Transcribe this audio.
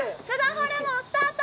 ホルモンスタート！